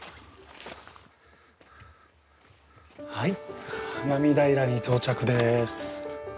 はい花見平に到着です。